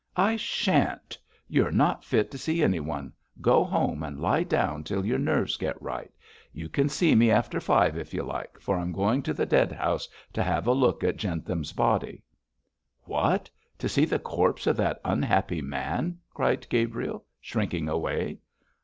'I sha'n't! You're not fit to see anyone. Go home and lie down till your nerves get right. You can see me after five if you like, for I'm going to the dead house to have a look at Jentham's body.' 'What! to see the corpse of that unhappy man,' cried Gabriel, shrinking away.